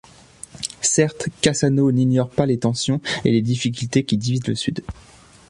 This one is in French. Certes, Cassano n'ignore pas les tensions et les difficultés qui divisent le Sud.